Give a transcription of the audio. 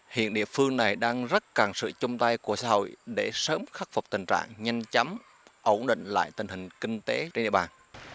hiện địa phương này đang rất cần sự chung tay của xã hội để sớm khắc phục tình trạng nhanh chóng ổn định lại tình hình kinh tế trên địa bàn